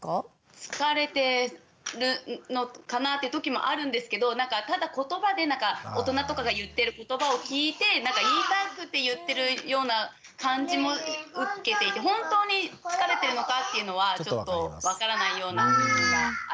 疲れてるのかなって時もあるんですけどなんかただ言葉で大人とかが言ってる言葉を聞いて言いたくて言ってるような感じも受けていて本当に疲れてるのかっていうのはちょっと分からないような時があります。